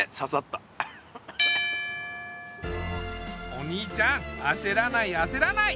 お兄ちゃんあせらないあせらない。